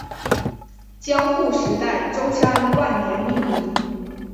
江户时代舟山万年命名。